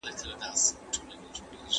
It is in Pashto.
هغې معلولیت لرونکی انجنیر ده.